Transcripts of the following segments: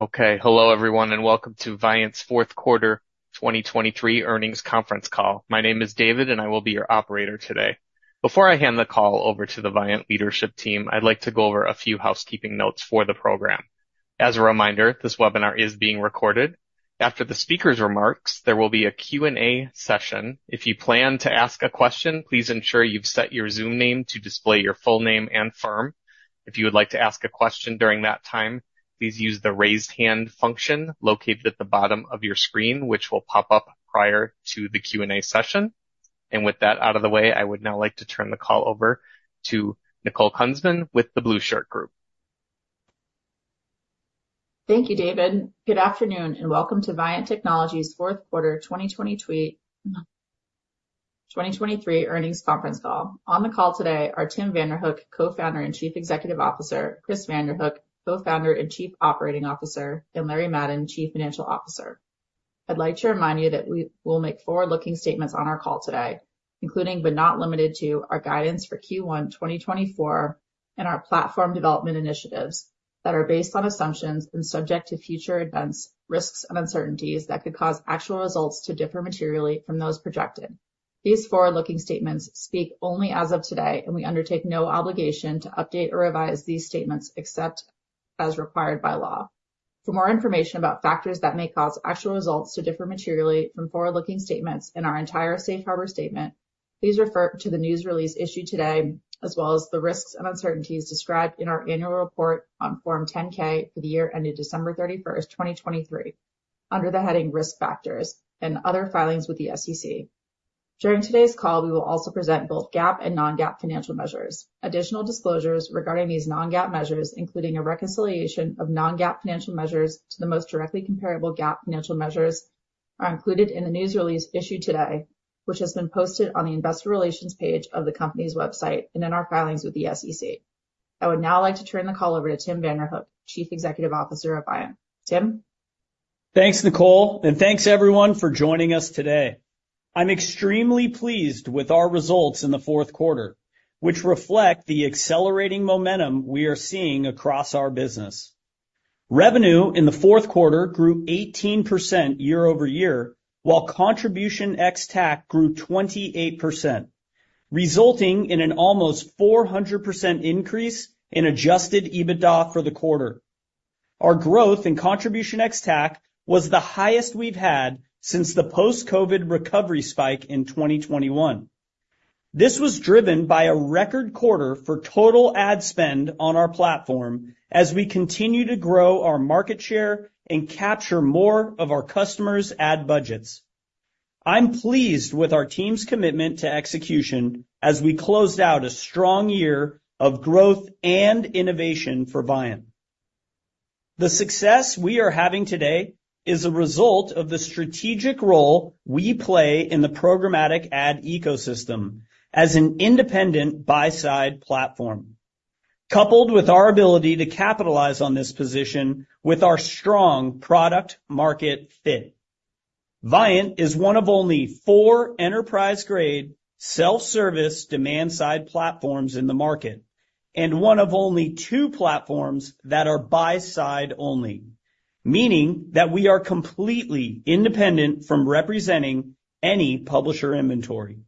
Okay, hello everyone, and welcome to Viant's Fourth Quarter 2023 Earnings Conference Call. My name is David, and I will be your operator today. Before I hand the call over to the Viant leadership team, I'd like to go over a few housekeeping notes for the program. As a reminder, this webinar is being recorded. After the speaker's remarks, there will be a Q&A session. If you plan to ask a question, please ensure you've set your Zoom name to display your full name and firm. If you would like to ask a question during that time, please use the raised hand function located at the bottom of your screen, which will pop up prior to the Q&A session. With that out of the way, I would now like to turn the call over to Nicole Kunzman with The Blueshirt Group. Thank you, David. Good afternoon and welcome to Viant Technology's fourth quarter 2023 earnings conference call. On the call today are Tim Vanderhook, Co-founder and Chief Executive Officer, Chris Vanderhook, Co-founder and Chief Operating Officer, and Larry Madden, Chief Financial Officer. I'd like to remind you that we will make forward-looking statements on our call today, including but not limited to our guidance for Q1 2024 and our platform development initiatives that are based on assumptions and subject to future events, risks, and uncertainties that could cause actual results to differ materially from those projected. These forward-looking statements speak only as of today, and we undertake no obligation to update or revise these statements except as required by law. For more information about factors that may cause actual results to differ materially from forward-looking statements in our entire Safe Harbor statement, please refer to the news release issued today as well as the risks and uncertainties described in our annual report on Form 10-K for the year ended December 31, 2023, under the heading Risk Factors and Other Filings with the SEC. During today's call, we will also present both GAAP and non-GAAP financial measures. Additional disclosures regarding these non-GAAP measures, including a reconciliation of non-GAAP financial measures to the most directly comparable GAAP financial measures, are included in the news release issued today, which has been posted on the Investor Relations page of the company's website and in our filings with the SEC. I would now like to turn the call over to Tim Vanderhook, Chief Executive Officer of Viant. Tim? Thanks, Nicole, and thanks everyone for joining us today. I'm extremely pleased with our results in the fourth quarter, which reflect the accelerating momentum we are seeing across our business. Revenue in the fourth quarter grew 18% year-over-year, while contribution ex-TAC grew 28%, resulting in an almost 400% increase in Adjusted EBITDA for the quarter. Our growth in contribution ex tax was the highest we've had since the post-COVID recovery spike in 2021. This was driven by a record quarter for total ad spend on our platform as we continue to grow our market share and capture more of our customers' ad budgets. I'm pleased with our team's commitment to execution as we closed out a strong year of growth and innovation for Viant. The success we are having today is a result of the strategic role we play in the programmatic ad ecosystem as an independent buy-side platform, coupled with our ability to capitalize on this position with our strong product-market fit. Viant is one of only four enterprise-grade self-service demand-side platforms in the market and one of only two platforms that are buy-side only, meaning that we are completely independent from representing any publisher inventory.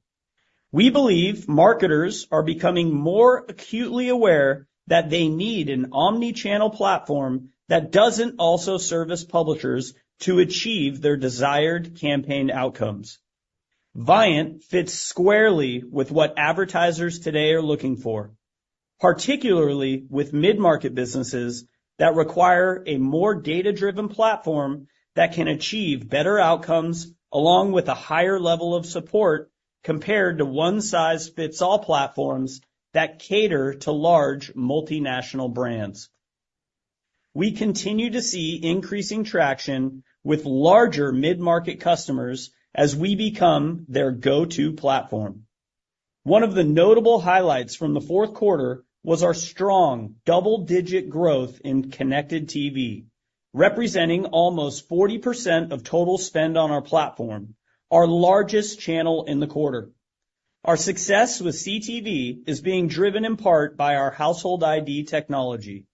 We believe marketers are becoming more acutely aware that they need an omnichannel platform that doesn't also service publishers to achieve their desired campaign outcomes. Viant fits squarely with what advertisers today are looking for, particularly with mid-market businesses that require a more data-driven platform that can achieve better outcomes along with a higher level of support compared to one-size-fits-all platforms that cater to large multinational brands. We continue to see increasing traction with larger mid-market customers as we become their go-to platform. One of the notable highlights from the fourth quarter was our strong double-digit growth in connected TV, representing almost 40% of total spend on our platform, our largest channel in the quarter. Our success with CTV is being driven in part by our Household ID technology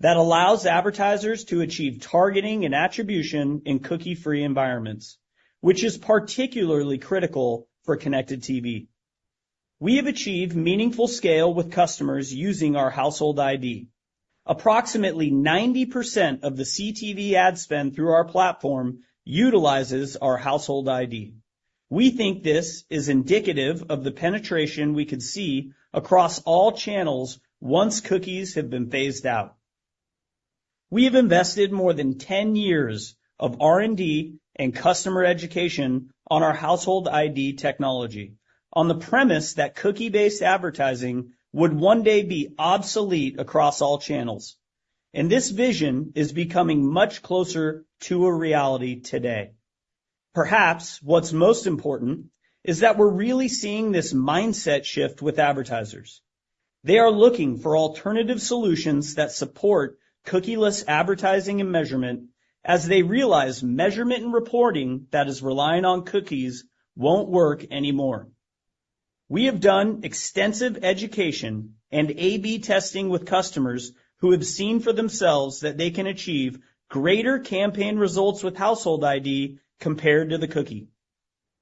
that allows advertisers to achieve targeting and attribution in cookie-free environments, which is particularly critical for connected TV. We have achieved meaningful scale with customers using our Household ID. Approximately 90% of the CTV ad spend through our platform utilizes our Household ID. We think this is indicative of the penetration we could see across all channels once cookies have been phased out. We have invested more than 10 years of R&D and customer education on our Household ID technology on the premise that cookie-based advertising would one day be obsolete across all channels. This vision is becoming much closer to a reality today. Perhaps what's most important is that we're really seeing this mindset shift with advertisers. They are looking for alternative solutions that support cookieless advertising and measurement as they realize measurement and reporting that is relying on cookies won't work anymore. We have done extensive education and A/B testing with customers who have seen for themselves that they can achieve greater campaign results with Household ID compared to the cookie.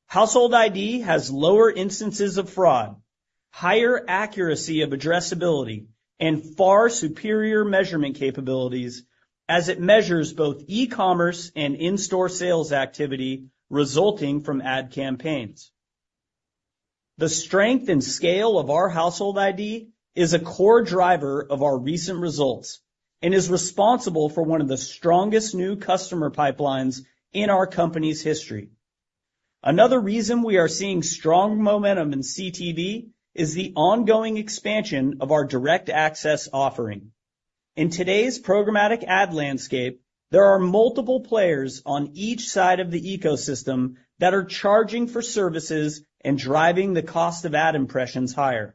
Household ID has lower instances of fraud, higher accuracy of addressability, and far superior measurement capabilities as it measures both e-commerce and in-store sales activity resulting from ad campaigns. The strength and scale of our Household ID is a core driver of our recent results and is responsible for one of the strongest new customer pipelines in our company's history. Another reason we are seeing strong momentum in CTV is the ongoing expansion of our Direct Access offering. In today's programmatic ad landscape, there are multiple players on each side of the ecosystem that are charging for services and driving the cost of ad impressions higher.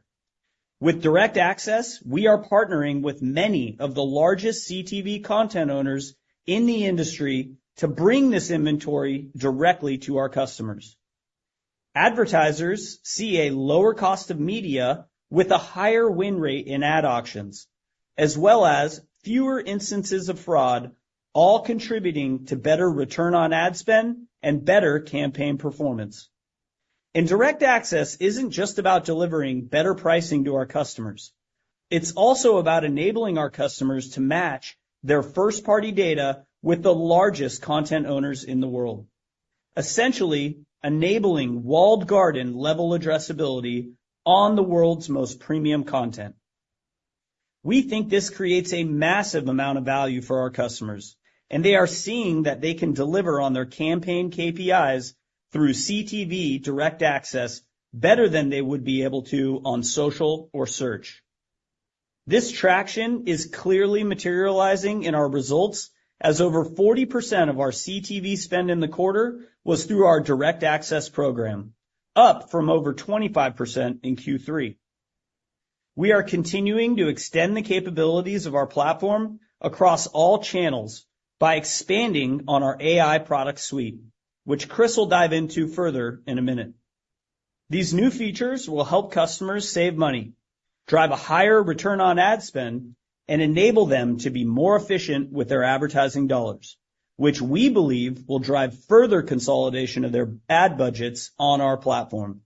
With Direct Access, we are partnering with many of the largest CTV content owners in the industry to bring this inventory directly to our customers. Advertisers see a lower cost of media with a higher win rate in ad auctions, as well as fewer instances of fraud, all contributing to better Return on Ad Spend and better campaign performance. Direct Access isn't just about delivering better pricing to our customers. It's also about enabling our customers to match their first-party data with the largest content owners in the world, essentially enabling walled garden-level addressability on the world's most premium content. We think this creates a massive amount of value for our customers, and they are seeing that they can deliver on their campaign KPIs through CTV direct access better than they would be able to on social or search. This traction is clearly materializing in our results as over 40% of our CTV spend in the quarter was through our direct access program, up from over 25% in Q3. We are continuing to extend the capabilities of our platform across all channels by expanding on our AI product suite, which Chris will dive into further in a minute. These new features will help customers save money, drive a higher return on ad spend, and enable them to be more efficient with their advertising dollars, which we believe will drive further consolidation of their ad budgets on our platform.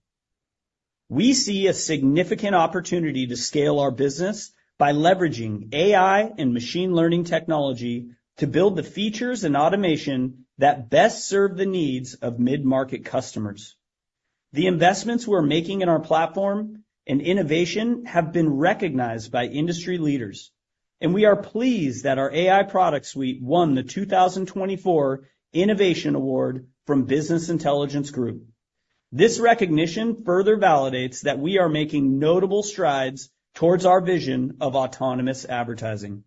We see a significant opportunity to scale our business by leveraging AI and machine learning technology to build the features and automation that best serve the needs of mid-market customers. The investments we're making in our platform and innovation have been recognized by industry leaders, and we are pleased that our AI product suite won the 2024 Innovation Award from Business Intelligence Group. This recognition further validates that we are making notable strides towards our vision of autonomous advertising.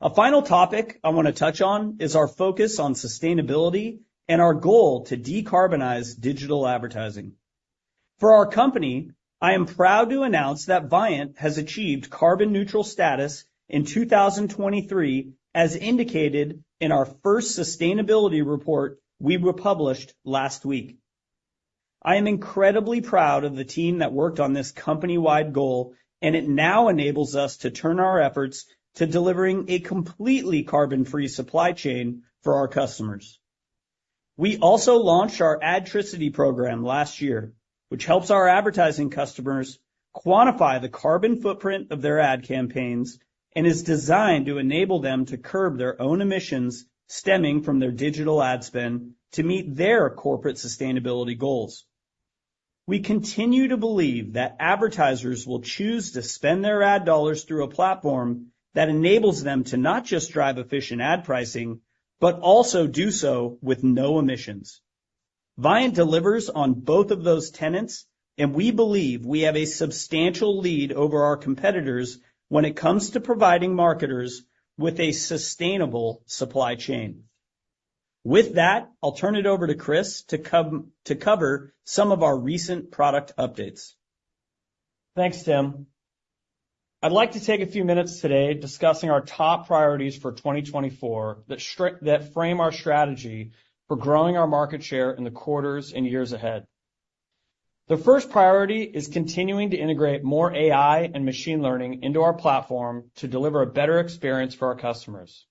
A final topic I want to touch on is our focus on sustainability and our goal to decarbonize digital advertising. For our company, I am proud to announce that Viant has achieved carbon-neutral status in 2023, as indicated in our first sustainability report we republished last week. I am incredibly proud of the team that worked on this company-wide goal, and it now enables us to turn our efforts to delivering a completely carbon-free supply chain for our customers. We also launched our Adtricity program last year, which helps our advertising customers quantify the carbon footprint of their ad campaigns and is designed to enable them to curb their own emissions stemming from their digital ad spend to meet their corporate sustainability goals. We continue to believe that advertisers will choose to spend their ad dollars through a platform that enables them to not just drive efficient ad pricing but also do so with no emissions. Viant delivers on both of those tenets, and we believe we have a substantial lead over our competitors when it comes to providing marketers with a sustainable supply chain. With that, I'll turn it over to Chris to cover some of our recent product updates. Thanks, Tim. I'd like to take a few minutes today discussing our top priorities for 2024 that frame our strategy for growing our market share in the quarters and years ahead. The first priority is continuing to integrate more AI and machine learning into our platform to deliver a better experience for our customers.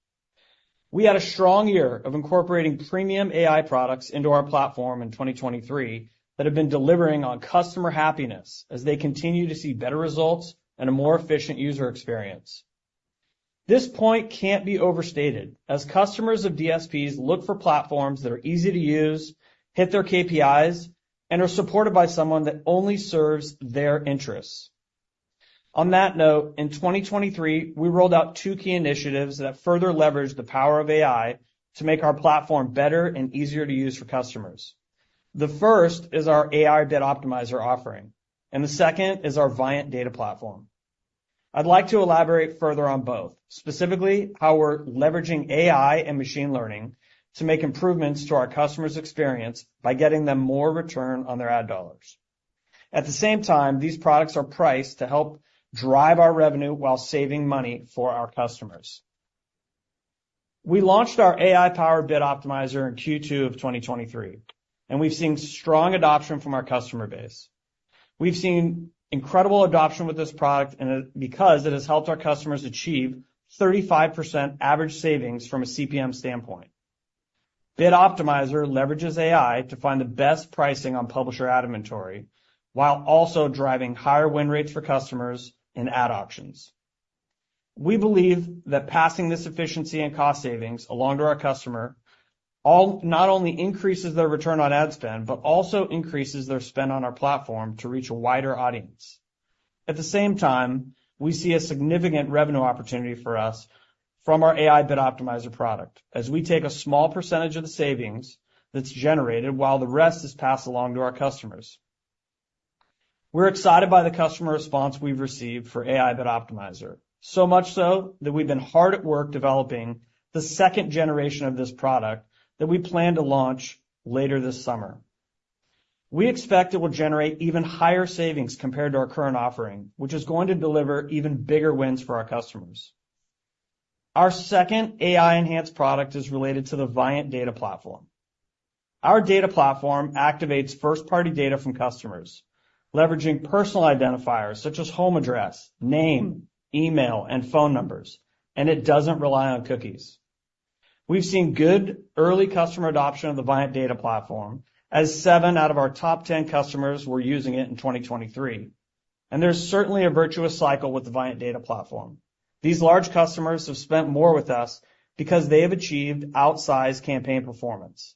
We had a strong year of incorporating premium AI products into our platform in 2023 that have been delivering on customer happiness as they continue to see better results and a more efficient user experience. This point can't be overstated as customers of DSPs look for platforms that are easy to use, hit their KPIs, and are supported by someone that only serves their interests. On that note, in 2023, we rolled out two key initiatives that further leveraged the power of AI to make our platform better and easier to use for customers. The first is our AI Bid Optimizer offering, and the second is our Viant Data Platform. I'd like to elaborate further on both, specifically how we're leveraging AI and machine learning to make improvements to our customers' experience by getting them more return on their ad dollars. At the same time, these products are priced to help drive our revenue while saving money for our customers. We launched our AI-powered Bid Optimizer in Q2 of 2023, and we've seen strong adoption from our customer base. We've seen incredible adoption with this product because it has helped our customers achieve 35% average savings from a CPM standpoint. Bid Optimizer leverages AI to find the best pricing on publisher ad inventory while also driving higher win rates for customers in ad auctions. We believe that passing this efficiency and cost savings along to our customer not only increases their return on ad spend but also increases their spend on our platform to reach a wider audience. At the same time, we see a significant revenue opportunity for us from our AI Bid Optimizer product as we take a small percentage of the savings that's generated while the rest is passed along to our customers. We're excited by the customer response we've received for AI Bid Optimizer, so much so that we've been hard at work developing the second generation of this product that we plan to launch later this summer. We expect it will generate even higher savings compared to our current offering, which is going to deliver even bigger wins for our customers. Our second AI-enhanced product is related to the Viant Data Platform. Our data platform activates first-party data from customers, leveraging personal identifiers such as home address, name, email, and phone numbers, and it doesn't rely on cookies. We've seen good early customer adoption of the Viant Data Platform as seven out of our top 10 customers were using it in 2023. There's certainly a virtuous cycle with the Viant Data Platform. These large customers have spent more with us because they have achieved outsized campaign performance.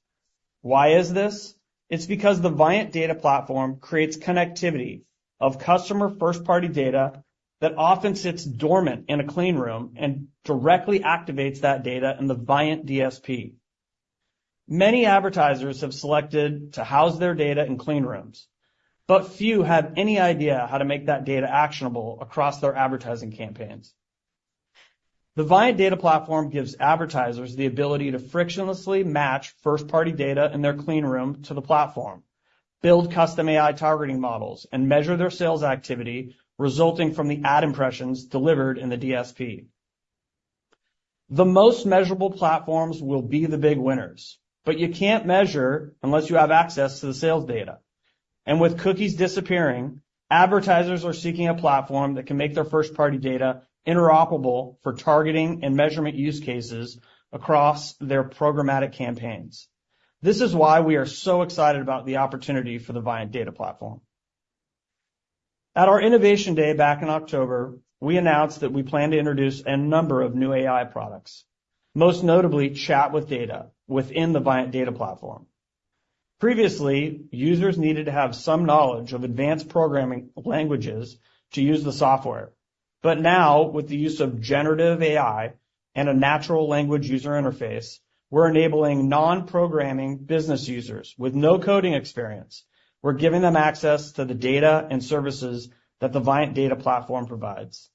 Why is this? It's because the Viant Data Platform creates connectivity of customer first-party data that often sits dormant in a clean room and directly activates that data in the Viant DSP. Many advertisers have selected to house their data in clean rooms, but few have any idea how to make that data actionable across their advertising campaigns. The Viant Data Platform gives advertisers the ability to frictionlessly match first-party data in their clean room to the platform, build custom AI targeting models, and measure their sales activity resulting from the ad impressions delivered in the DSP. The most measurable platforms will be the big winners, but you can't measure unless you have access to the sales data. With cookies disappearing, advertisers are seeking a platform that can make their first-party data interoperable for targeting and measurement use cases across their programmatic campaigns. This is why we are so excited about the opportunity for the Viant Data Platform. At our Innovation Day back in October, we announced that we plan to introduce a number of new AI products, most notably Chat with Data within the Viant Data Platform. Previously, users needed to have some knowledge of advanced programming languages to use the software. Now, with the use of generative AI and a natural language user interface, we're enabling non-programming business users with no coding experience. We're giving them access to the data and services that the Viant Data Platform provides.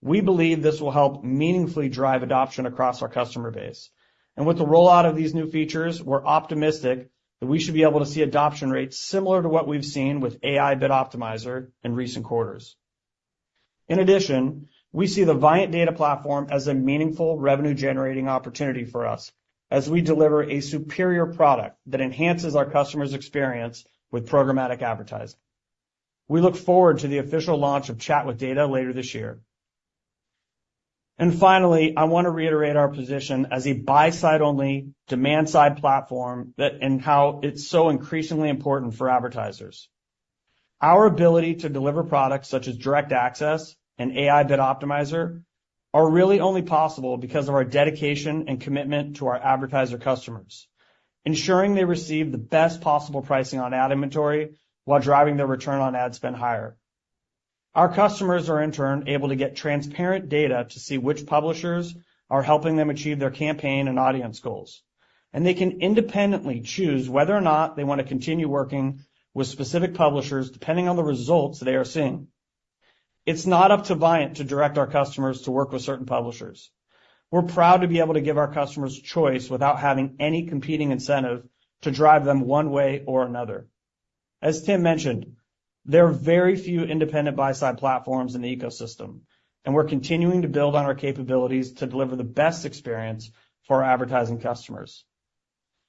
We believe this will help meaningfully drive adoption across our customer base. With the rollout of these new features, we're optimistic that we should be able to see adoption rates similar to what we've seen with AI Bid Optimizer in recent quarters. In addition, we see the Viant Data Platform as a meaningful revenue-generating opportunity for us as we deliver a superior product that enhances our customers' experience with programmatic advertising. We look forward to the official launch of Chat with Data later this year. Finally, I want to reiterate our position as a buy-side-only demand-side platform and how it's so increasingly important for advertisers. Our ability to deliver products such as Direct Access and AI Bid Optimizer are really only possible because of our dedication and commitment to our advertiser customers, ensuring they receive the best possible pricing on ad inventory while driving their return on ad spend higher. Our customers are, in turn, able to get transparent data to see which publishers are helping them achieve their campaign and audience goals. They can independently choose whether or not they want to continue working with specific publishers depending on the results they are seeing. It's not up to Viant to direct our customers to work with certain publishers. We're proud to be able to give our customers choice without having any competing incentive to drive them one way or another. As Tim mentioned, there are very few independent buy-side platforms in the ecosystem, and we're continuing to build on our capabilities to deliver the best experience for our advertising customers.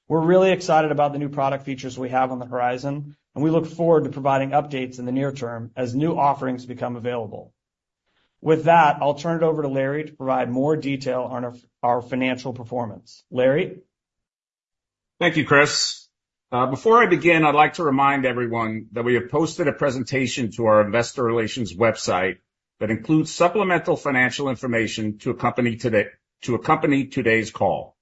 We're really excited about the new product features we have on the horizon, and we look forward to providing updates in the near term as new offerings become available. With that, I'll turn it over to Larry to provide more detail on our financial performance. Larry? Thank you, Chris. Before I begin, I'd like to remind everyone that we have posted a presentation to our investor relations website that includes supplemental financial information to accompany today's call.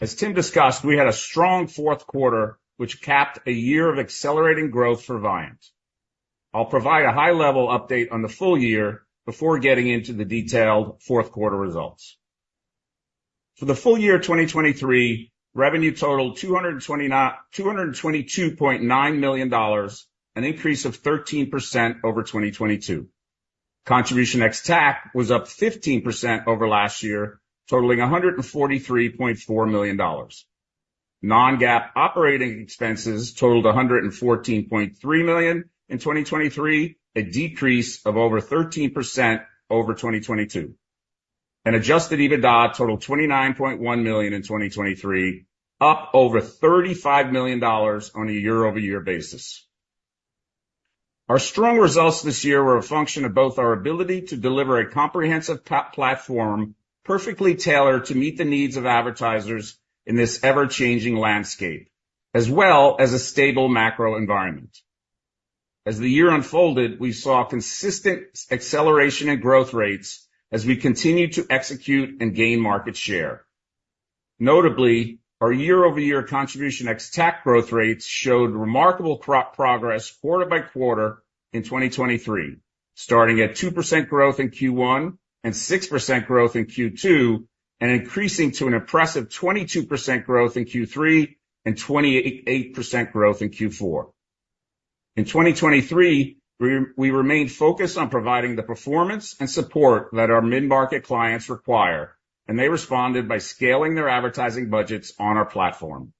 As Tim discussed, we had a strong fourth quarter, which capped a year of accelerating growth for Viant. I'll provide a high-level update on the full year before getting into the detailed fourth-quarter results. For the full year 2023, revenue totaled $222.9 million, an increase of 13% over 2022. Contribution ex-TAC was up 15% over last year, totaling $143.4 million. Non-GAAP operating expenses totaled $114.3 million in 2023, a decrease of over 13% over 2022. Adjusted EBITDA totaled $29.1 million in 2023, up over $35 million on a year-over-year basis. Our strong results this year were a function of both our ability to deliver a comprehensive platform perfectly tailored to meet the needs of advertisers in this ever-changing landscape, as well as a stable macro environment. As the year unfolded, we saw consistent acceleration in growth rates as we continued to execute and gain market share. Notably, our year-over-year Contribution ex-TAC growth rates showed remarkable progress quarter by quarter in 2023, starting at 2% growth in Q1 and 6% growth in Q2 and increasing to an impressive 22% growth in Q3 and 28% growth in Q4. In 2023, we remained focused on providing the performance and support that our mid-market clients require, and they responded by scaling their advertising budgets on our platform.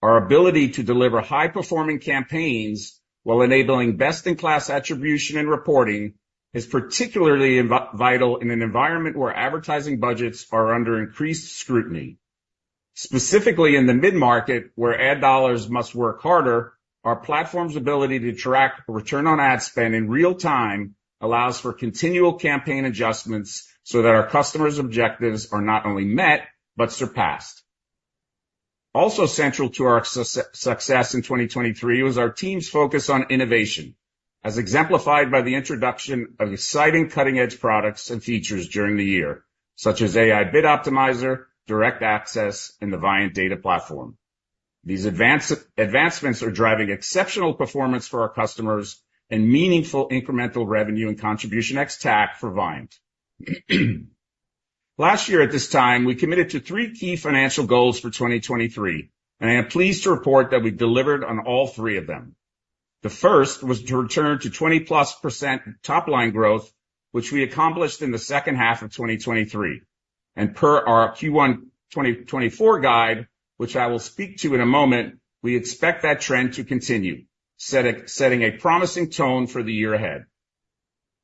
Our ability to deliver high-performing campaigns while enabling best-in-class attribution and reporting is particularly vital in an environment where advertising budgets are under increased scrutiny. Specifically in the mid-market, where ad dollars must work harder, our platform's ability to track return on ad spend in real time allows for continual campaign adjustments so that our customers' objectives are not only met but surpassed. Also central to our success in 2023 was our team's focus on innovation, as exemplified by the introduction of exciting cutting-edge products and features during the year, such as AI Bid Optimizer, Direct Access, and the Viant Data Platform. These advancements are driving exceptional performance for our customers and meaningful incremental revenue and Contribution ex-TAC for Viant. Last year, at this time, we committed to three key financial goals for 2023, and I am pleased to report that we delivered on all three of them. The first was to return to 20%+ top-line growth, which we accomplished in the second half of 2023. Per our Q1 2024 guide, which I will speak to in a moment, we expect that trend to continue, setting a promising tone for the year ahead.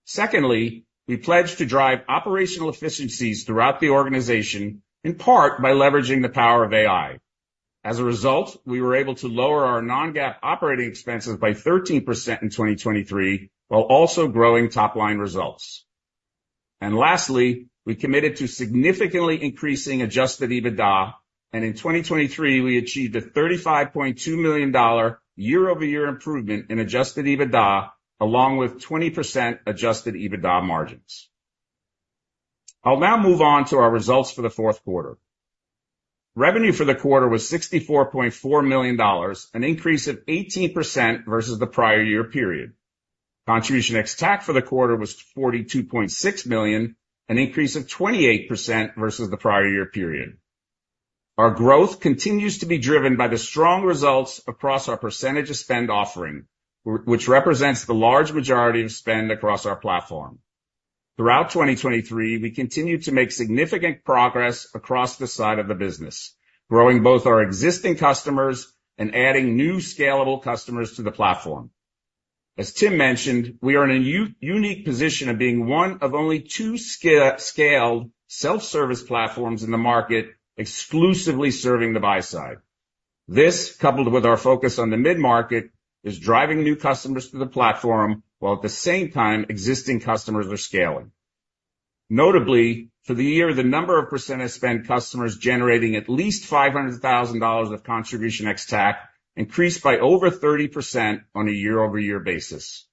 Secondly, we pledged to drive operational efficiencies throughout the organization, in part by leveraging the power of AI. As a result, we were able to lower our non-GAAP operating expenses by 13% in 2023 while also growing top-line results. Lastly, we committed to significantly increasing Adjusted EBITDA, and in 2023, we achieved a $35.2 million year-over-year improvement in Adjusted EBITDA along with 20% Adjusted EBITDA margins. I'll now move on to our results for the fourth quarter. Revenue for the quarter was $64.4 million, an increase of 18% versus the prior year period. Contribution ex-TAC for the quarter was $42.6 million, an increase of 28% versus the prior year period. Our growth continues to be driven by the strong results across our percentage of spend offering, which represents the large majority of spend across our platform. Throughout 2023, we continued to make significant progress across the side of the business, growing both our existing customers and adding new scalable customers to the platform. As Tim mentioned, we are in a unique position of being one of only two scaled self-service platforms in the market exclusively serving the buy side. This, coupled with our focus on the mid-market, is driving new customers to the platform while at the same time existing customers are scaling. Notably, for the year, the number of percentage spend customers generating at least $500,000 of contribution ex-TAC increased by over 30% on a year-over-year basis.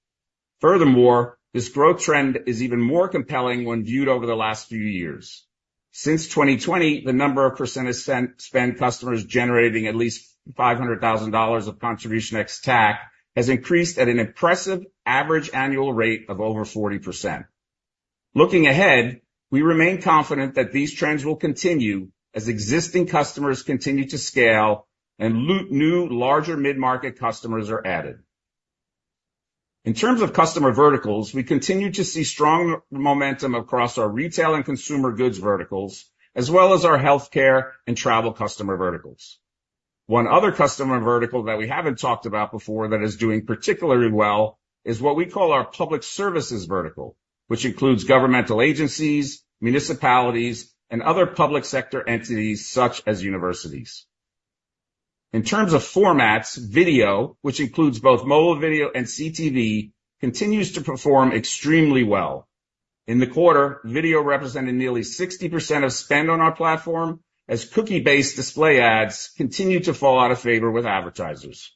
Furthermore, this growth trend is even more compelling when viewed over the last few years. Since 2020, the number of percentage spend customers generating at least $500,000 of Contribution ex-TAC has increased at an impressive average annual rate of over 40%. Looking ahead, we remain confident that these trends will continue as existing customers continue to scale and new larger mid-market customers are added. In terms of customer verticals, we continue to see strong momentum across our retail and consumer goods verticals, as well as our healthcare and travel customer verticals. One other customer vertical that we haven't talked about before that is doing particularly well is what we call our public services vertical, which includes governmental agencies, municipalities, and other public sector entities such as universities. In terms of formats, video, which includes both mobile video and CTV, continues to perform extremely well. In the quarter, video represented nearly 60% of spend on our platform as cookie-based display ads continue to fall out of favor with advertisers.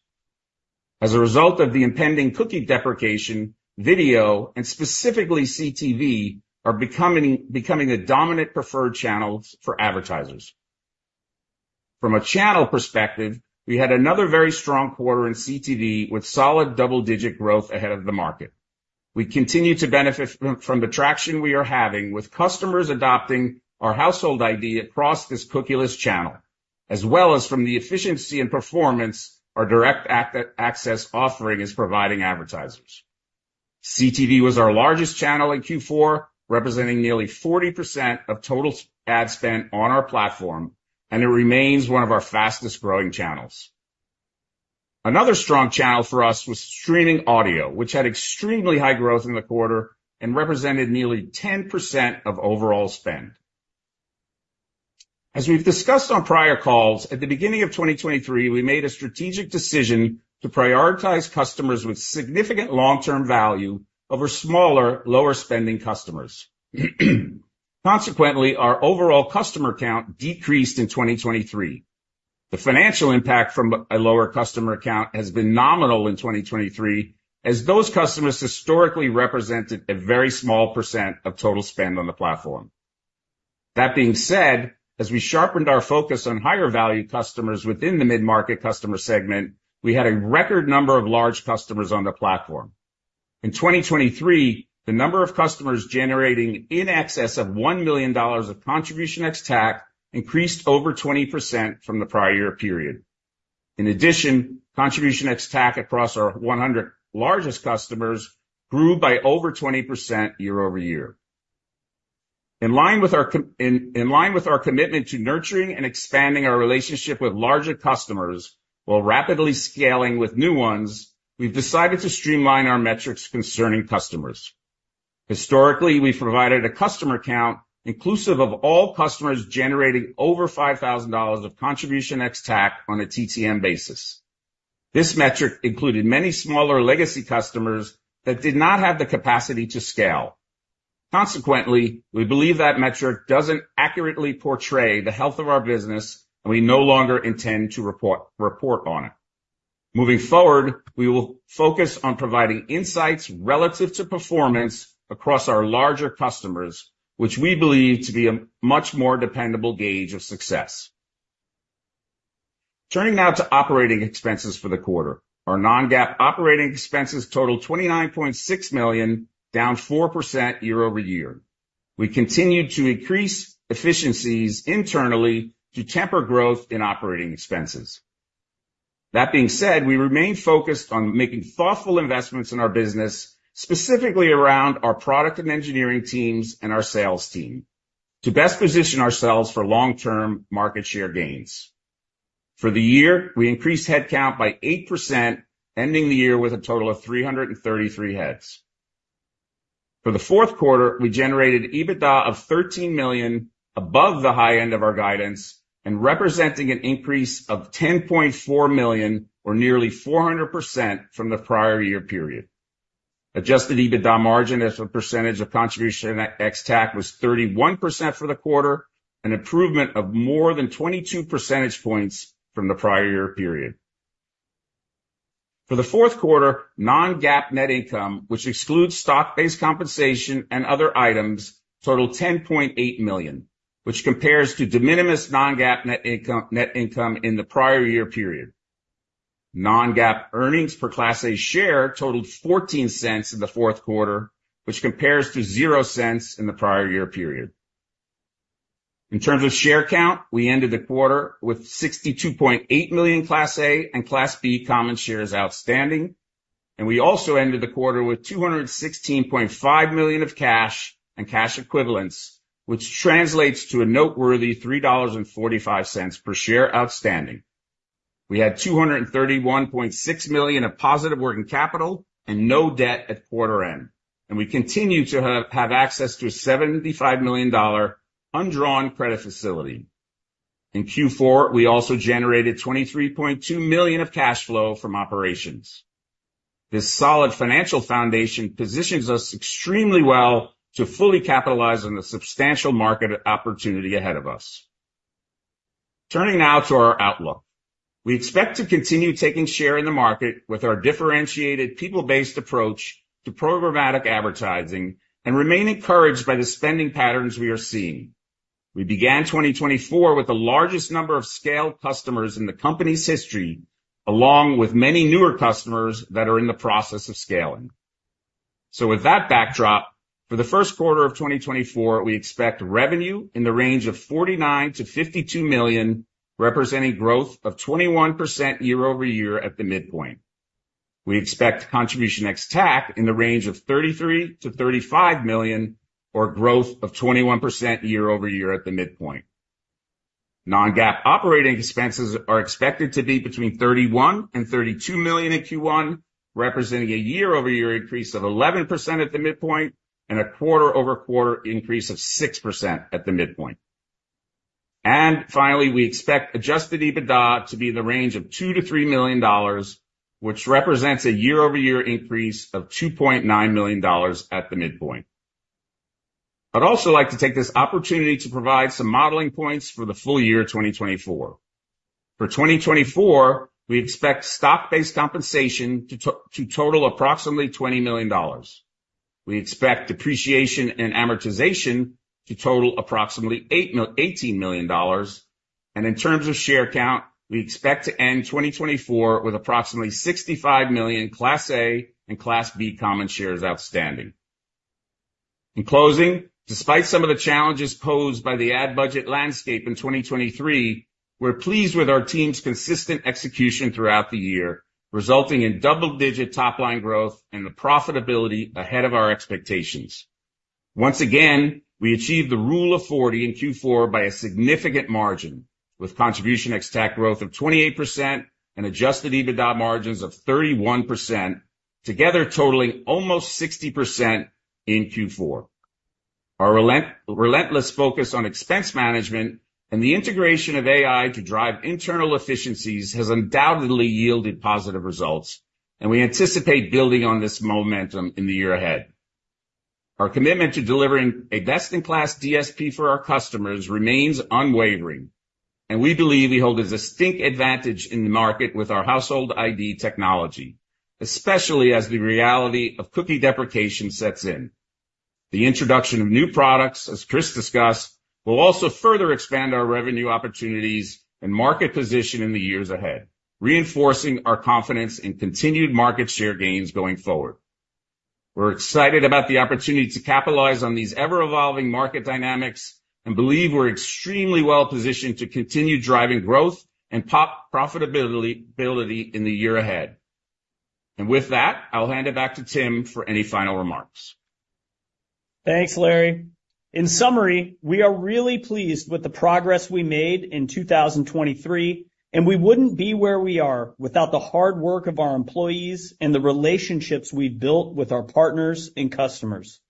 As a result of the impending cookie deprecation, video and specifically CTV are becoming the dominant preferred channels for advertisers. From a channel perspective, we had another very strong quarter in CTV with solid double-digit growth ahead of the market. We continue to benefit from the traction we are having with customers adopting our Household ID across this cookieless channel, as well as from the efficiency and performance our Direct Access offering is providing advertisers. CTV was our largest channel in Q4, representing nearly 40% of total ad spend on our platform, and it remains one of our fastest-growing channels. Another strong channel for us was Streaming Audio, which had extremely high growth in the quarter and represented nearly 10% of overall spend. As we've discussed on prior calls, at the beginning of 2023, we made a strategic decision to prioritize customers with significant long-term value over smaller, lower-spending customers. Consequently, our overall customer count decreased in 2023. The financial impact from a lower customer count has been nominal in 2023, as those customers historically represented a very small percent of total spend on the platform. That being said, as we sharpened our focus on higher-value customers within the mid-market customer segment, we had a record number of large customers on the platform. In 2023, the number of customers generating in excess of $1 million of contribution ex tax increased over 20% from the prior year period. In addition, contribution ex tax across our 100 largest customers grew by over 20% year-over-year. In line with our commitment to nurturing and expanding our relationship with larger customers while rapidly scaling with new ones, we've decided to streamline our metrics concerning customers. Historically, we provided a customer count inclusive of all customers generating over $5,000 of contribution ex-TAC on a TTM basis. This metric included many smaller legacy customers that did not have the capacity to scale. Consequently, we believe that metric doesn't accurately portray the health of our business, and we no longer intend to report on it. Moving forward, we will focus on providing insights relative to performance across our larger customers, which we believe to be a much more dependable gauge of success. Turning now to operating expenses for the quarter. Our non-GAAP operating expenses totaled $29.6 million, down 4% year-over-year. We continued to increase efficiencies internally to temper growth in operating expenses. That being said, we remain focused on making thoughtful investments in our business, specifically around our product and engineering teams and our sales team, to best position ourselves for long-term market share gains. For the year, we increased headcount by eight%, ending the year with a total of 333 heads. For the fourth quarter, we generated EBITDA of $13 million above the high end of our guidance, and representing an increase of $10.4 million or nearly 400% from the prior year period. Adjusted EBITDA margin as a percentage of contribution ex-TAC was 31% for the quarter, an improvement of more than 22 percentage points from the prior year period. For the fourth quarter, non-GAAP net income, which excludes stock-based compensation and other items, totaled $10.8 million, which compares to de minimis non-GAAP net income in the prior year period. Non-GAAP earnings per Class A share totaled $0.14 in the fourth quarter, which compares to $0.00 in the prior year period. In terms of share count, we ended the quarter with 62.8 million Class A and Class B common shares outstanding. We also ended the quarter with $216.5 million of cash and cash equivalents, which translates to a noteworthy $3.45 per share outstanding. We had $231.6 million of positive working capital and no debt at quarter end. We continue to have access to a $75 million undrawn credit facility. In Q4, we also generated $23.2 million of cash flow from operations. This solid financial foundation positions us extremely well to fully capitalize on the substantial market opportunity ahead of us. Turning now to our outlook. We expect to continue taking share in the market with our differentiated people-based approach to programmatic advertising and remain encouraged by the spending patterns we are seeing. We began 2024 with the largest number of scaled customers in the company's history, along with many newer customers that are in the process of scaling. So with that backdrop, for the first quarter of 2024, we expect revenue in the range of $49 million-$52 million, representing growth of 21% year-over-year at the midpoint. We expect contribution ex-TAC in the range of $33 million-$35 million or growth of 21% year-over-year at the midpoint. Non-GAAP operating expenses are expected to be between $31 million-$32 million in Q1, representing a year-over-year increase of 11% at the midpoint and a quarter-over-quarter increase of 6% at the midpoint. Finally, we expect Adjusted EBITDA to be in the range of $2 million-$3 million, which represents a year-over-year increase of $2.9 million at the midpoint. I'd also like to take this opportunity to provide some modeling points for the full year 2024. For 2024, we expect stock-based compensation to total approximately $20 million. We expect depreciation and amortization to total approximately $18 million. And in terms of share count, we expect to end 2024 with approximately 65 million Class A and Class B common shares outstanding. In closing, despite some of the challenges posed by the ad budget landscape in 2023, we're pleased with our team's consistent execution throughout the year, resulting in double-digit top-line growth and the profitability ahead of our expectations. Once again, we achieved the Rule of 40 in Q4 by a significant margin, with Contribution ex-TAC growth of 28% and Adjusted EBITDA margins of 31%, together totaling almost 60% in Q4. Our relentless focus on expense management and the integration of AI to drive internal efficiencies has undoubtedly yielded positive results, and we anticipate building on this momentum in the year ahead. Our commitment to delivering a best-in-class DSP for our customers remains unwavering, and we believe we hold a distinct advantage in the market with our Household ID technology, especially as the reality of cookie deprecation sets in. The introduction of new products, as Chris discussed, will also further expand our revenue opportunities and market position in the years ahead, reinforcing our confidence in continued market share gains going forward. We're excited about the opportunity to capitalize on these ever-evolving market dynamics and believe we're extremely well-positioned to continue driving growth and profitability in the year ahead. With that, I'll hand it back to Tim for any final remarks. Thanks, Larry. In summary, we are really pleased with the progress we made in 2023, and we wouldn't be where we are without the hard work of our employees and the relationships we've built with our partners and customers.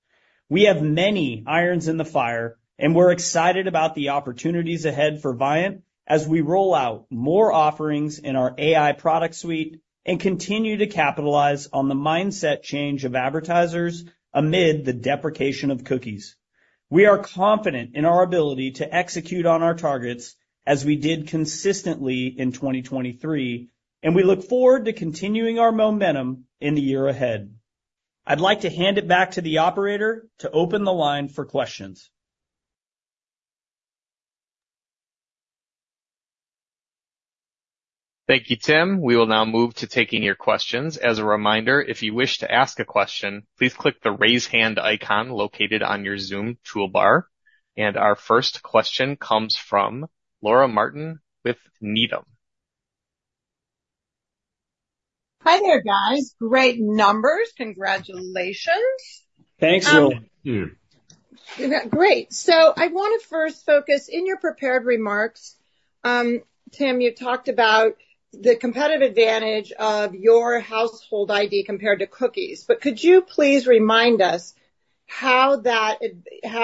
We have many irons in the fire, and we're excited about the opportunities ahead for Viant as we roll out more offerings in our AI product suite and continue to capitalize on the mindset change of advertisers amid the deprecation of cookies. We are confident in our ability to execute on our targets as we did consistently in 2023, and we look forward to continuing our momentum in the year ahead. I'd like to hand it back to the operator to open the line for questions. Thank you, Tim. We will now move to taking your questions. As a reminder, if you wish to ask a question, please click the raise hand icon located on your Zoom toolbar. Our first question comes from Laura Martin with Needham. Hi there, guys. Great numbers. Congratulations. Thanks, Laura Martin. Great. So I want to first focus in your prepared remarks, Tim, you talked about the competitive advantage of your Household ID compared to cookies. Could you please remind us how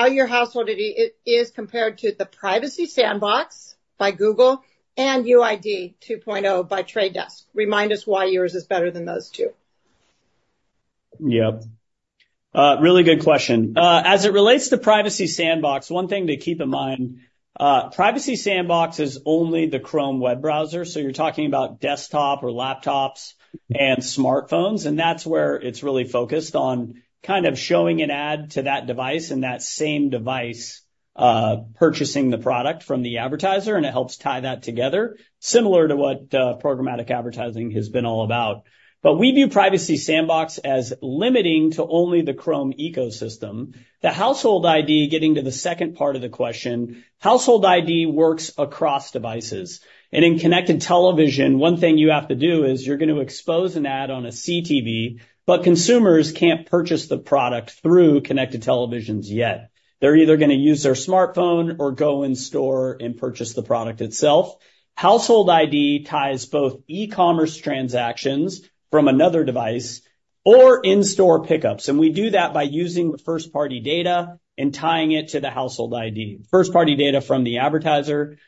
your Household ID is compared to the Privacy Sandbox by Google and UID 2.0 by Trade Desk? Remind us why yours is better than those two. Yep. Really good question. As it relates to Privacy Sandbox, one thing to keep in mind, Privacy Sandbox is only the Chrome web browser. So you're talking about desktop or laptops and smartphones. And that's where it's really focused on kind of showing an ad to that device and that same device purchasing the product from the advertiser, and it helps tie that together, similar to what programmatic advertising has been all about. But we view Privacy Sandbox as limiting to only the Chrome ecosystem. The Household ID, getting to the second part of the question, Household ID works across devices. And in connected television, one thing you have to do is you're going to expose an ad on a CTV, but consumers can't purchase the product through connected televisions yet. They're either going to use their smartphone or go in-store and purchase the product itself. Household ID ties both e-commerce transactions from another device or in-store pickups. And we do that by using the first-party data and tying it to the Household ID, first-party data from the advertiser.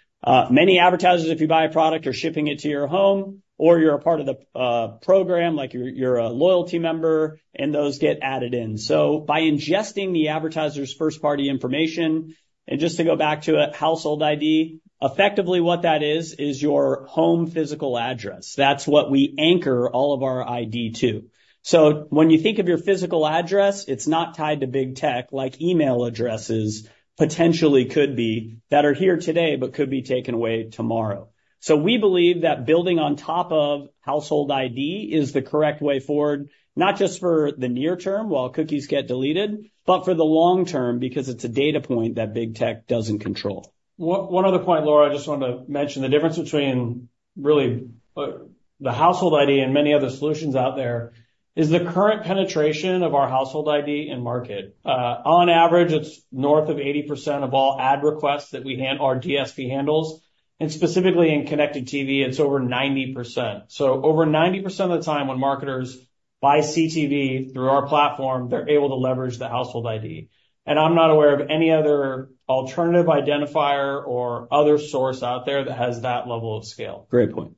Many advertisers, if you buy a product, are shipping it to your home, or you're a part of the program, like you're a loyalty member, and those get added in. So by ingesting the advertiser's first-party information, and just to go back to it, Household ID, effectively, what that is, is your home physical address. That's what we anchor all of our ID to. So when you think of your physical address, it's not tied to big tech, like email addresses potentially could be that are here today but could be taken away tomorrow. So we believe that building on top of Household ID is the correct way forward, not just for the near term while cookies get deleted, but for the long term because it's a data point that big tech doesn't control. One other point, Laura, I just wanted to mention. The difference between really the Household ID and many other solutions out there is the current penetration of our Household ID in market. On average, it's north of 80% of all ad requests that our DSP handles. And specifically in Connected TV, it's over 90%. So over 90% of the time when marketers buy CTV through our platform, they're able to leverage the Household ID. And I'm not aware of any other alternative identifier or other source out there that has that level of scale. Great point.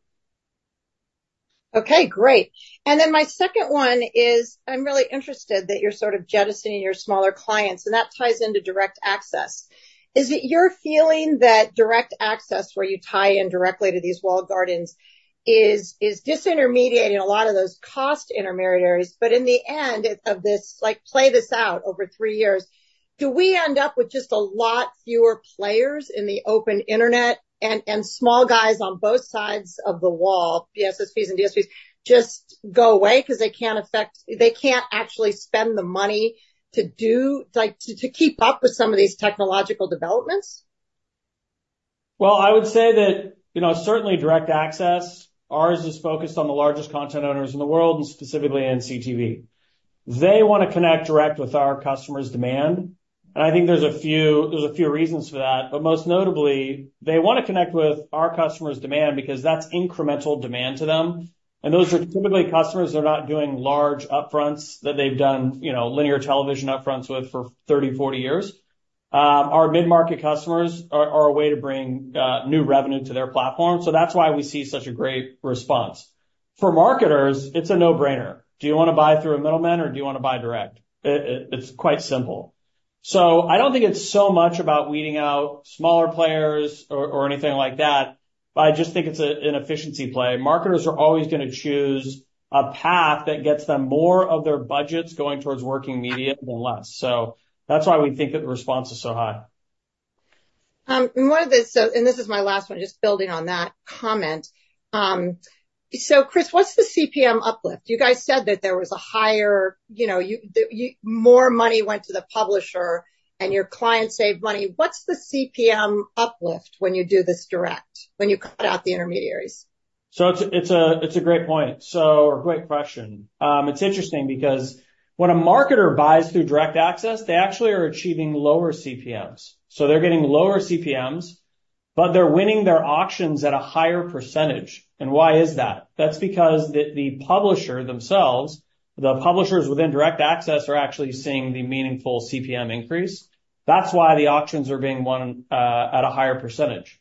Okay. Great. And then my second one is I'm really interested that you're sort of jettisoning your smaller clients, and that ties into Direct Access. Is it your feeling that Direct Access, where you tie in directly to these walled gardens, is disintermediating a lot of those cost intermediaries? But in the end of this, play this out over three years, do we end up with just a lot fewer players in the open internet and small guys on both sides of the wall, SSPs and DSPs, just go away because they can't afford they can't actually spend the money to keep up with some of these technological developments? Well, I would say that certainly Direct Access. Ours is focused on the largest content owners in the world and specifically in CTV. They want to connect direct with our customer's demand. And I think there's a few reasons for that. Most notably, they want to connect with our customer's demand because that's incremental demand to them. Those are typically customers that are not doing large upfronts that they've done linear television upfronts with for 30, 40 years. Our mid-market customers are a way to bring new revenue to their platform. That's why we see such a great response. For marketers, it's a no-brainer. Do you want to buy through a middleman, or do you want to buy direct? It's quite simple. I don't think it's so much about weeding out smaller players or anything like that. I just think it's an efficiency play. Marketers are always going to choose a path that gets them more of their budgets going towards working media than less. That's why we think that the response is so high. This is my last one, just building on that comment. Chris, what's the CPM uplift? You guys said that there was a higher more money went to the publisher, and your clients saved money. What's the CPM uplift when you do this Direct Access, when you cut out the intermediaries? It's a great point or great question. It's interesting because when a marketer buys through Direct Access, they actually are achieving lower CPMs. They're getting lower CPMs, but they're winning their auctions at a higher percentage. Why is that? That's because the publisher themselves, the publishers within Direct Access, are actually seeing the meaningful CPM increase. That's why the auctions are being won at a higher percentage.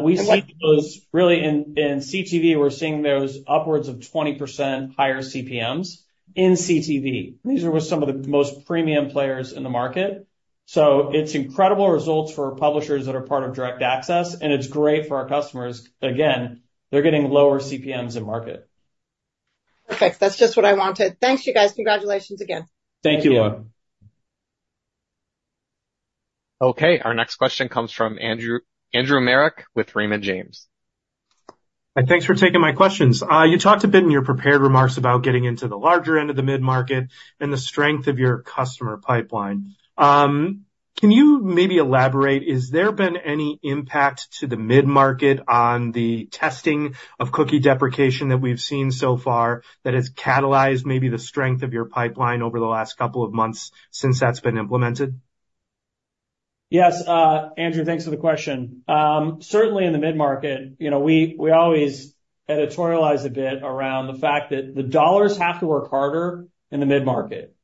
We see those really in CTV; we're seeing those upwards of 20% higher CPMs in CTV. These are with some of the most premium players in the market. So it's incredible results for publishers that are part of Direct Access, and it's great for our customers. Again, they're getting lower CPMs in market. Perfect. That's just what I wanted. Thanks, you guys. Congratulations again. Thank you, Laura. Okay. Our next question comes from Andrew Marok with Raymond James. Hi. Thanks for taking my questions. You talked a bit in your prepared remarks about getting into the larger end of the mid-market and the strength of your customer pipeline. Can you maybe elaborate, is there been any impact to the mid-market on the testing of cookie deprecation that we've seen so far that has catalyzed maybe the strength of your pipeline over the last couple of months since that's been implemented? Yes, Andrew. Thanks for the question. Certainly, in the mid-market, we always editorialize a bit around the fact that the dollars have to work harder in the mid-market.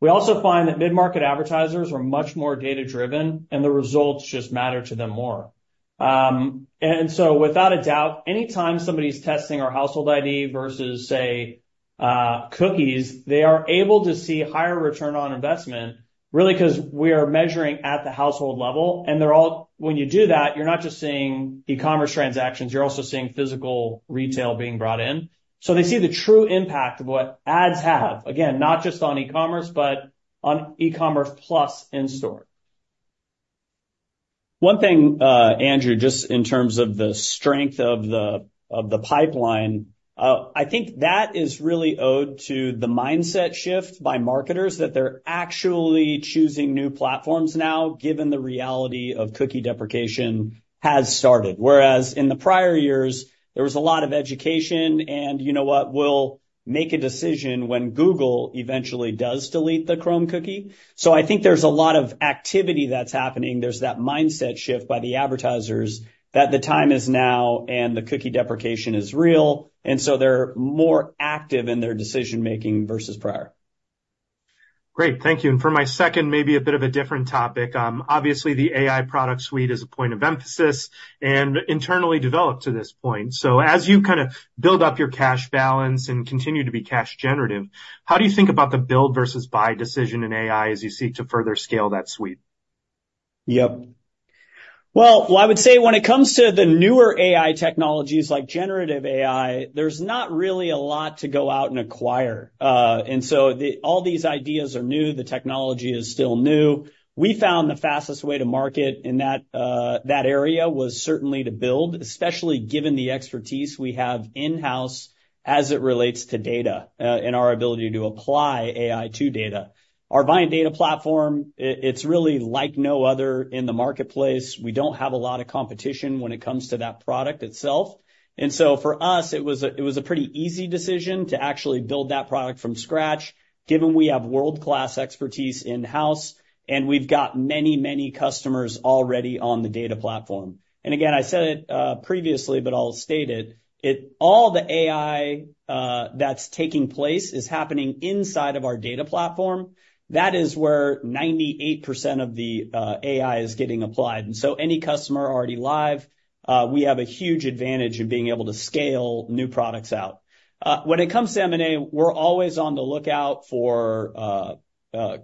We also find that mid-market advertisers are much more data-driven, and the results just matter to them more. And so without a doubt, anytime somebody's testing our Household ID versus, say, cookies, they are able to see higher return on investment really because we are measuring at the household level. And when you do that, you're not just seeing e-commerce transactions. You're also seeing physical retail being brought in. So they see the true impact of what ads have, again, not just on e-commerce, but on e-commerce plus in-store. One thing, Andrew, just in terms of the strength of the pipeline, I think that is really owed to the mindset shift by marketers that they're actually choosing new platforms now given the reality of cookie deprecation has started. Whereas in the prior years, there was a lot of education, and you know what? We'll make a decision when Google eventually does delete the Chrome cookie. So I think there's a lot of activity that's happening. There's that mindset shift by the advertisers that the time is now and the cookie deprecation is real. And so they're more active in their decision-making versus prior. Great. Thank you. And for my second, maybe a bit of a different topic, obviously, the AI product suite is a point of emphasis and internally developed to this point. So as you kind of build up your cash balance and continue to be cash-generative, how do you think about the build versus buy decision in AI as you seek to further scale that suite? Yep. Well, I would say when it comes to the newer AI technologies like generative AI, there's not really a lot to go out and acquire. And so all these ideas are new. The technology is still new. We found the fastest way to market in that area was certainly to build, especially given the expertise we have in-house as it relates to data and our ability to apply AI to data. Our Viant Data Platform, it's really like no other in the marketplace. We don't have a lot of competition when it comes to that product itself. And so for us, it was a pretty easy decision to actually build that product from scratch given we have world-class expertise in-house, and we've got many, many customers already on the data platform. And again, I said it previously, but I'll state it. All the AI that's taking place is happening inside of our data platform. That is where 98% of the AI is getting applied. And so any customer already live, we have a huge advantage in being able to scale new products out. When it comes to M&A, we're always on the lookout for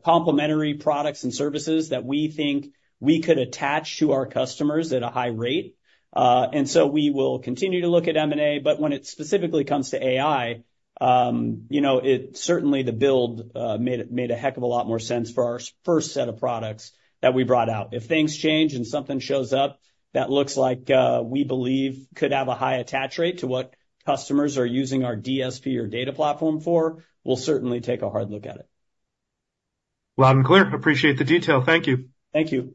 complementary products and services that we think we could attach to our customers at a high rate. And so we will continue to look at M&A. But when it specifically comes to AI, certainly, the build made a heck of a lot more sense for our first set of products that we brought out. If things change and something shows up that looks like we believe could have a high attach rate to what customers are using our DSP or data platform for, we'll certainly take a hard look at it. Loud and clear. Appreciate the detail. Thank you. Thank you.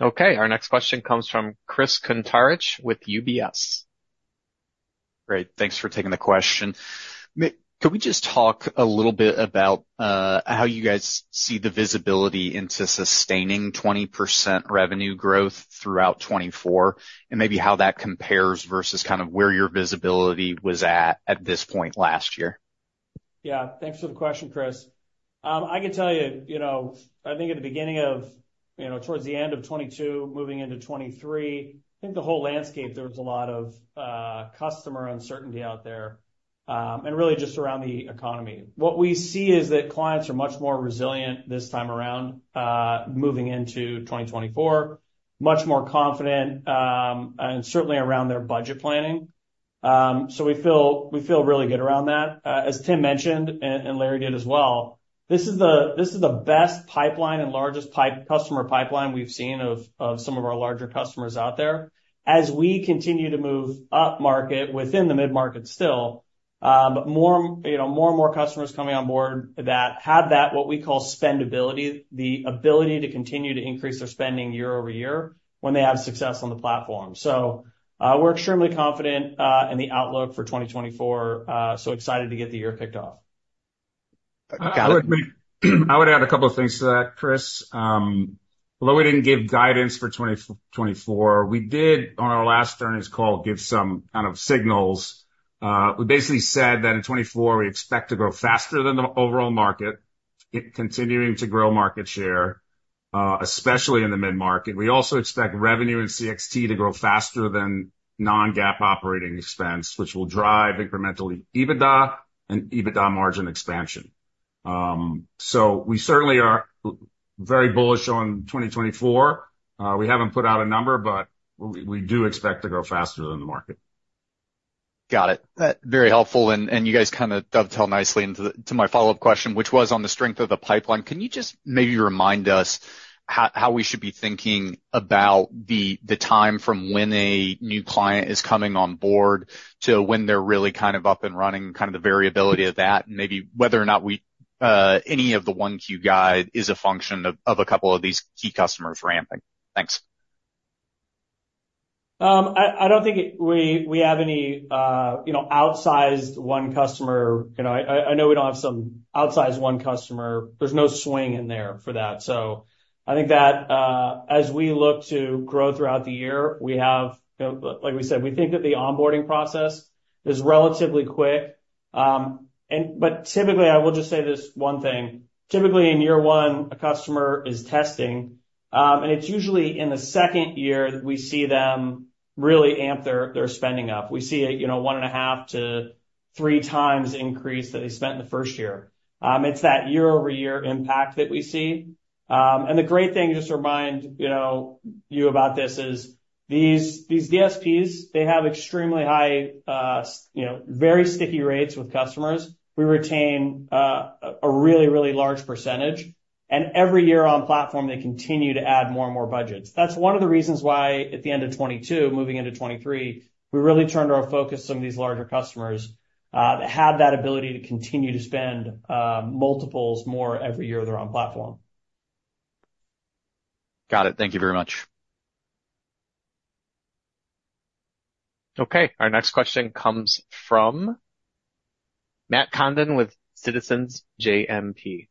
Okay. Our next question comes from Chris Kuntarich with UBS. Great. Thanks for taking the question. Could we just talk a little bit about how you guys see the visibility into sustaining 20% revenue growth throughout 2024 and maybe how that compares versus kind of where your visibility was at at this point last year? Yeah. Thanks for the question, Chris. I can tell you, I think at the beginning of towards the end of 2022, moving into 2023, I think the whole landscape, there was a lot of customer uncertainty out there and really just around the economy. What we see is that clients are much more resilient this time around moving into 2024, much more confident, and certainly around their budget planning. So we feel really good around that. As Tim mentioned and Larry did as well, this is the best pipeline and largest customer pipeline we've seen of some of our larger customers out there. As we continue to move up market within the mid-market still, but more and more customers coming on board that have that, what we call spendability, the ability to continue to increase their spending year-over-year when they have success on the platform. So we're extremely confident in the outlook for 2024, so excited to get the year kicked off. Got it. I would add a couple of things to that, Chris. Although we didn't give guidance for 2024, we did, on our last earnings call, give some kind of signals. We basically said that in 2024, we expect to grow faster than the overall market, continuing to grow market share, especially in the mid-market. We also expect revenue and CXT to grow faster than non-GAAP operating expense, which will drive incremental EBITDA and EBITDA margin expansion. So we certainly are very bullish on 2024. We haven't put out a number, but we do expect to grow faster than the market. Got it. Very helpful. And you guys kind of dovetail nicely into my follow-up question, which was on the strength of the pipeline. Can you just maybe remind us how we should be thinking about the time from when a new client is coming on board to when they're really kind of up and running, kind of the variability of that, and maybe whether or not any of the Q1 guide is a function of a couple of these key customers ramping? Thanks. I don't think we have any outsized one customer. I know we don't have some outsized one customer. There's no swing in there for that. So I think that as we look to grow throughout the year, we have, like we said, we think that the onboarding process is relatively quick. But typically, I will just say this one thing. Typically, in year one, a customer is testing. And it's usually in the second year that we see them really amp their spending up. We see a 1.5x-3x increase that they spent in the first year. It's that year-over-year impact that we see. And the great thing, just to remind you about this, is these DSPs. They have extremely high, very sticky rates with customers. We retain a really, really large percentage. And every year on platform, they continue to add more and more budgets. That's one of the reasons why at the end of 2022, moving into 2023, we really turned our focus to some of these larger customers that had that ability to continue to spend multiples more every year they're on platform. Got it. Thank you very much. Okay. Our next question comes from Matt Condon with Citizens JMP.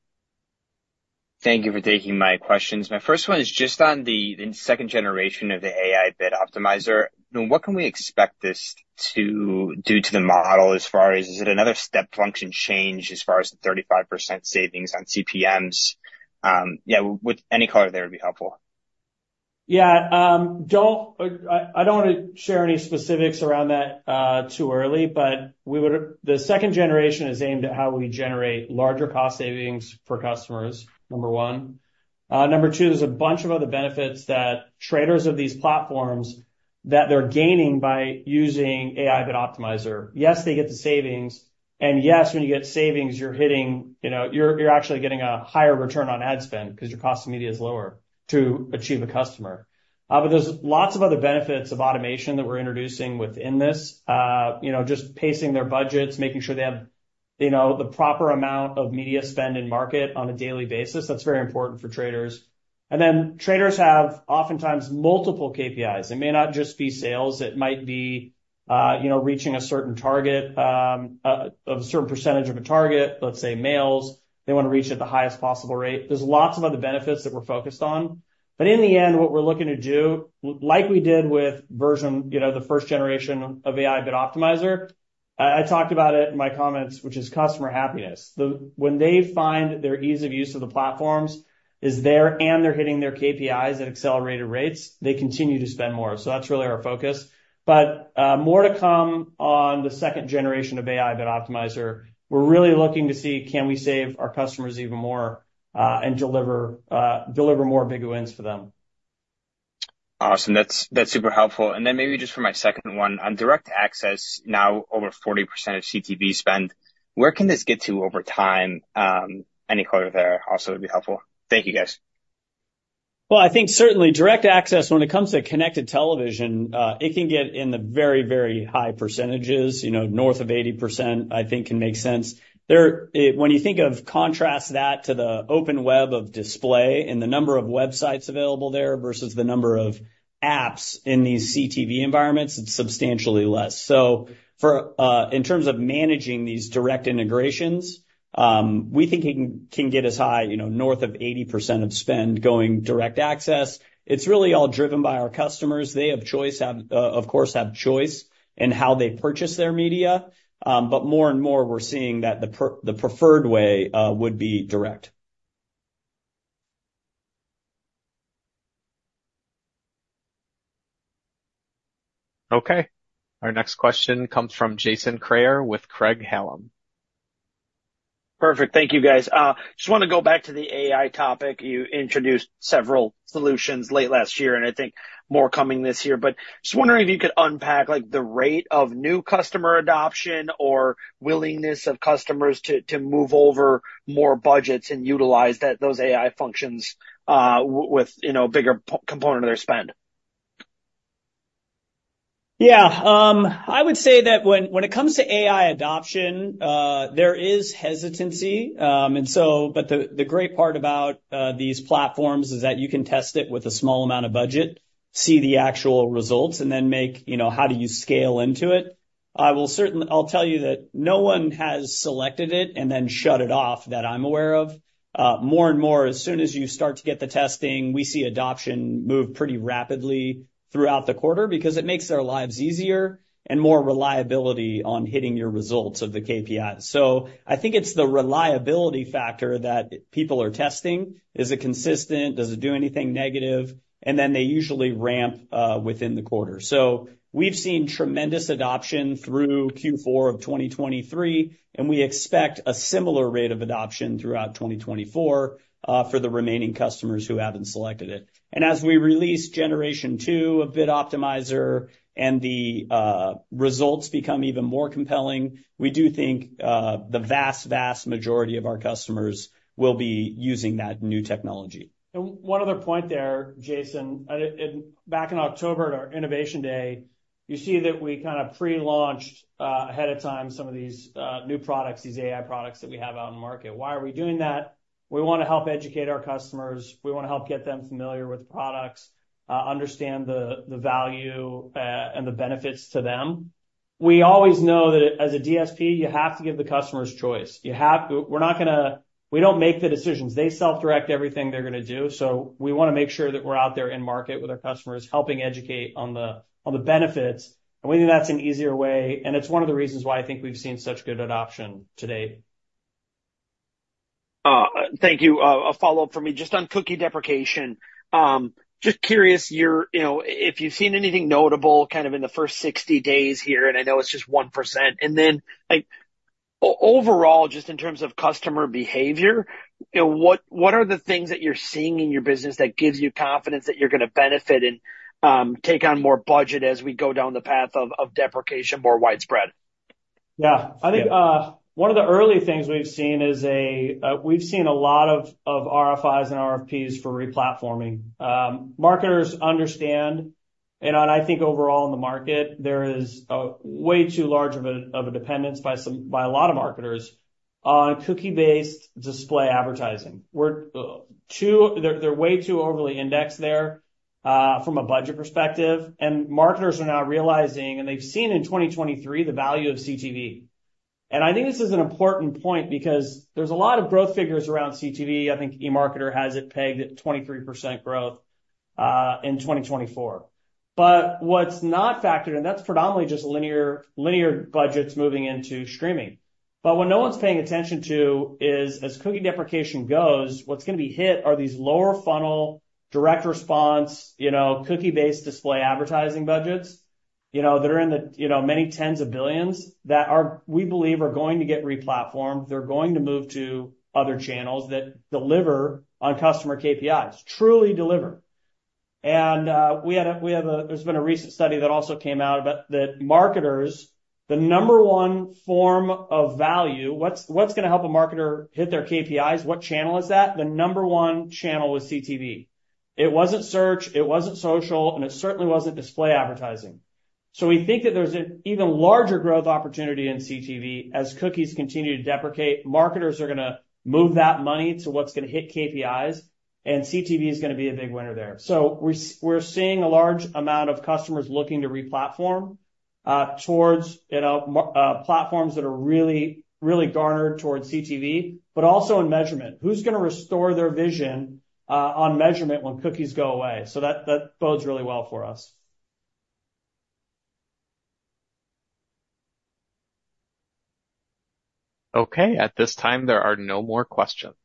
Thank you for taking my questions. My first one is just on the second generation of the AI Bid Optimizer. What can we expect this to do to the model as far as is it another step function change as far as the 35% savings on CPMs? Yeah, any color there would be helpful. Yeah. I don't want to share any specifics around that too early, but the second generation is aimed at how we generate larger cost savings for customers, number one. Number two, there's a bunch of other benefits that traders of these platforms that they're gaining by using AI Bid Optimizer. Yes, they get the savings. And yes, when you get savings, you're hitting you're actually getting a higher return on ad spend because your cost of media is lower to achieve a customer. But there's lots of other benefits of automation that we're introducing within this, just pacing their budgets, making sure they have the proper amount of media spend in market on a daily basis. That's very important for traders. And then traders have oftentimes multiple KPIs. It may not just be sales. It might be reaching a certain target of a certain percentage of a target, let's say, males. They want to reach it at the highest possible rate. There's lots of other benefits that we're focused on. But in the end, what we're looking to do, like we did with the first generation of AI Bid Optimizer, I talked about it in my comments, which is customer happiness. When they find their ease of use of the platforms is there and they're hitting their KPIs at accelerated rates, they continue to spend more. So that's really our focus. But more to come on the second generation of AI Bid Optimizer. We're really looking to see, can we save our customers even more and deliver more big wins for them? Awesome. That's super helpful. And then maybe just for my second one on Direct Access, now over 40% of CTV spend, where can this get to over time? Any color there also would be helpful. Thank you, guys. Well, I think certainly Direct Access, when it comes to Connected TV, it can get in the very, very high percentages. North of 80%, I think, can make sense. When you think of contrast that to the open web of display and the number of websites available there versus the number of apps in these CTV environments, it's substantially less. So in terms of managing these direct integrations, we think it can get as high north of 80% of spend going Direct Access. It's really all driven by our customers. They have choice, of course, have choice in how they purchase their media. But more and more, we're seeing that the preferred way would be direct. Okay. Our next question comes from Jason Kreyer with Craig-Hallum. Perfect. Thank you, guys. Just want to go back to the AI topic. You introduced several solutions late last year, and I think more coming this year. But just wondering if you could unpack the rate of new customer adoption or willingness of customers to move over more budgets and utilize those AI functions with a bigger component of their spend. Yeah. I would say that when it comes to AI adoption, there is hesitancy. But the great part about these platforms is that you can test it with a small amount of budget, see the actual results, and then make how do you scale into it? I'll tell you that no one has selected it and then shut it off that I'm aware of. More and more, as soon as you start to get the testing, we see adoption move pretty rapidly throughout the quarter because it makes their lives easier and more reliability on hitting your results of the KPIs. So I think it's the reliability factor that people are testing. Is it consistent? Does it do anything negative? And then they usually ramp within the quarter. So we've seen tremendous adoption through Q4 of 2023, and we expect a similar rate of adoption throughout 2024 for the remaining customers who haven't selected it. And as we release generation two of Bid Optimizer and the results become even more compelling, we do think the vast, vast majority of our customers will be using that new technology. And one other point there, Jason. Back in October at our Innovation Day, you see that we kind of pre-launched ahead of time some of these new products, these AI products that we have out in market. Why are we doing that? We want to help educate our customers. We want to help get them familiar with products, understand the value and the benefits to them. We always know that as a DSP, you have to give the customers choice. We're not going to; we don't make the decisions. They self-direct everything they're going to do. So we want to make sure that we're out there in market with our customers, helping educate on the benefits. And we think that's an easier way. And it's one of the reasons why I think we've seen such good adoption to date. Thank you. A follow-up from me just on cookie deprecation. Just curious if you've seen anything notable kind of in the first 60 days here, and I know it's just 1%. And then overall, just in terms of customer behavior, what are the things that you're seeing in your business that gives you confidence that you're going to benefit and take on more budget as we go down the path of deprecation more widespread? Yeah. I think one of the early things we've seen is we've seen a lot of RFIs and RFPs for replatforming. Marketers understand. And I think overall in the market, there is way too large of a dependence by a lot of marketers on cookie-based display advertising. They're way too overly indexed there from a budget perspective. And marketers are now realizing, and they've seen in 2023, the value of CTV. And I think this is an important point because there's a lot of growth figures around CTV. I think eMarketer has it pegged at 23% growth in 2024. But what's not factored in, that's predominantly just linear budgets moving into streaming. But what no one's paying attention to is as cookie deprecation goes, what's going to be hit are these lower funnel direct response cookie-based display advertising budgets that are in the many tens of $ billions that we believe are going to get replatformed. They're going to move to other channels that deliver on customer KPIs, truly deliver. And there's been a recent study that also came out about that marketers, the number one form of value, what's going to help a marketer hit their KPIs, what channel is that? The number one channel was CTV. It wasn't search. It wasn't social. And it certainly wasn't display advertising. So we think that there's an even larger growth opportunity in CTV as cookies continue to deprecate. Marketers are going to move that money to what's going to hit KPIs. CTV is going to be a big winner there. We're seeing a large amount of customers looking to replatform towards platforms that are really geared towards CTV, but also in measurement. Who's going to restore their vision on measurement when cookies go away? That bodes really well for us. Okay. At this time, there are no more questions.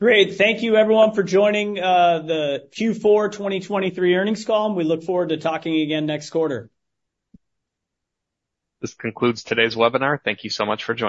Great. Thank you, everyone, for joining the Q4 2023 earnings call. We look forward to talking again next quarter. This concludes today's webinar. Thank you so much for joining.